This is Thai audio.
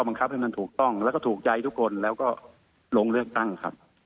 บังคับให้มันถูกต้องแล้วก็ถูกใจทุกคนแล้วก็ลงเลือกตั้งครับ